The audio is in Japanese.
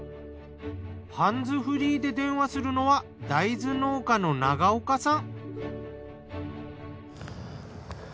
ハンズフリーで電話するのは大豆農家の長岡さん。